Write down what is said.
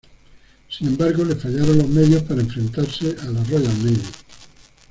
Sin embargo, le fallaron los medios para enfrentarse a la Royal Navy.